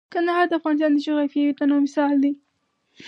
کندهار د افغانستان د جغرافیوي تنوع مثال دی.